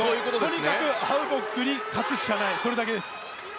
とにかくアウボックに勝つしかない、それだけです。